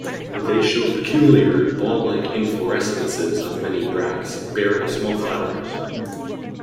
They show peculiar, ball-like inflorescences of many bracts, bearing small flowers.